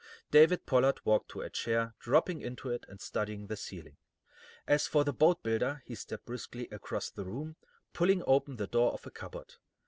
David Pollard walked to a chair, dropping into it and studying the ceiling. As for the boatbuilder, he stepped briskly across the room, pulling open the door of a cupboard.